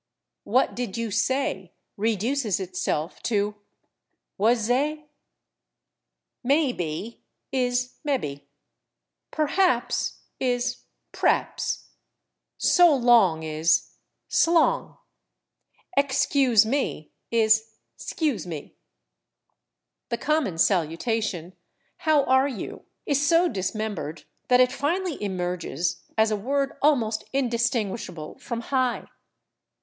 "What did you say" reduces itself to "wuz ay?" /Maybe/ is /mebby/, /perhaps/ is /p'raps/, /so long/ is /s'long/, /excuse me/ is /skus me/; the common salutation, "How are you?" is so dismembered that it finally emerges as a word almost indistinguishable from /high